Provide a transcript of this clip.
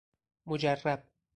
مجرب